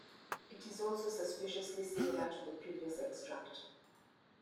It is also suspiciously similar to the previous extract.